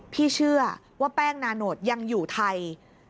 พี่เชื่อว่าแป้งนาโนตยังอยู่ไทย